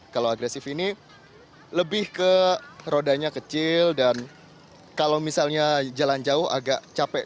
kalau agresif ini lebih ke rodanya kecil dan kalau misalnya jalan jauh agak capek